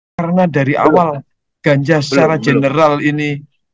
karena dari awal ganja secara general ini